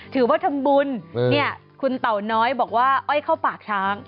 ถือว่าทำบุญเนี่ยคุณเต่าน้อยบอกว่าอ้อยเข้าปากช้าง